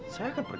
saya akan pergi